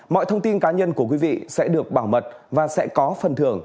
mọi thông tin cá nhân của quý vị sẽ được bảo mật và sẽ có phần thưởng